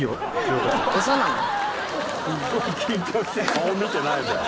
「顔見てないもん」